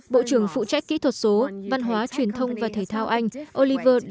bộ trưởng phụ trách kỹ thuật số văn hóa truyền thông và thể thao anh oliver dowden cho biết